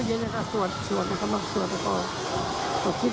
อย่างนี้ครับบุธที่สอบ